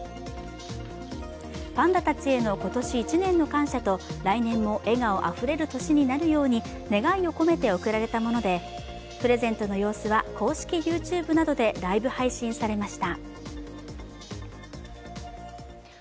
パンダたちへの今年１年の感謝と来年も笑顔あふれる年になるように願いを込めて贈られたものでプレゼントの様子は公式ＹｏｕＴｕｂｅなどで配信されました。